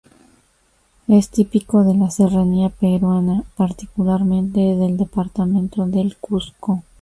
Es típico de la serranía peruana, particularmente del departamento del Cuzco.